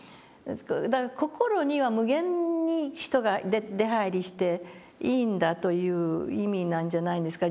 だから心には無限に人が出はいりしていいんだという意味なんじゃないんですか